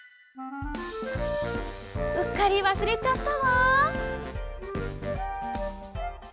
うっかりわすれちゃったわ。